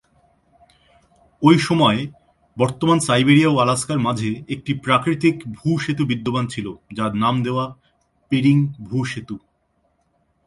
ওই সময়ে বর্তমান সাইবেরিয়া ও আলাস্কার মাঝে একটি প্রাকৃতিক ভূ-সেতু বিদ্যমান ছিল, যার নাম দেয়া বেরিং ভূ-সেতু।